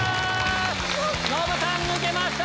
ノブさん抜けました！